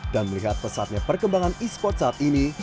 dan melihat pesatnya perkembangan esports saat ini